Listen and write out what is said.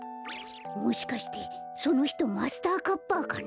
もしかしてそのひとマスターカッパーかな？